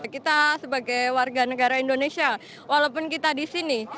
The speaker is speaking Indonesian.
kita sebagai warga negara indonesia walaupun kita di sini